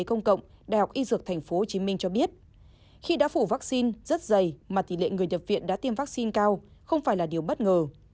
công cộng đại học y dược tp hcm cho biết khi đã phủ vaccine rất dày mà tỷ lệ người nhập viện đã tiêm vaccine cao không phải là điều bất ngờ